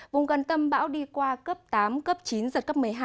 vùng gần tâm bão đi qua cấp tám cấp chín giật cấp một mươi hai